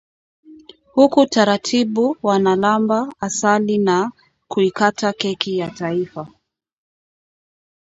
huku taratibu wanalamba asali na kuikata keki ya taifa